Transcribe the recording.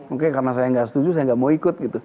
oke karena saya tidak setuju saya tidak mau ikut